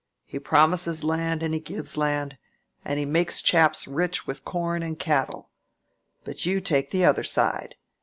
He promises land, and He gives land, and He makes chaps rich with corn and cattle. But you take the other side.